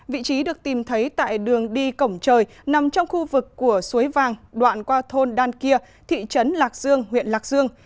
vị trí được tìm thấy tại đường đi cổng trời nằm trong khu vực của suối vàng đoạn qua thôn đan kia thị trấn lạc dương huyện lạc dương